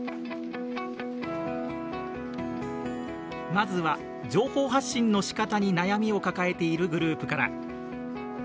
まずは情報発信のしかたに悩みを抱えているグループから。